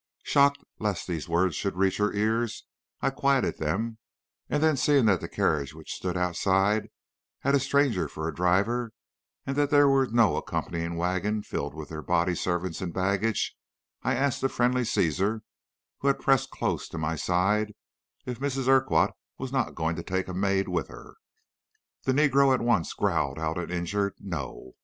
Shocked lest these words should reach her ears, I quieted them; and then seeing that the carriage which stood outside had a stranger for a driver, and that there was no accompanying wagon filled with their body servants and baggage, I asked the friendly Cæsar, who had pressed close to my side, if Mrs. Urquhart was not going to take a maid with her. "The negro at once growled out an injured 'No!'